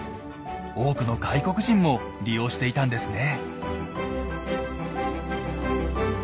多くの外国人も利用していたんですね。